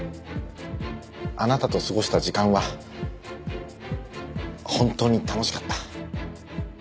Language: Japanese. あなたと過ごした時間は本当に楽しかった。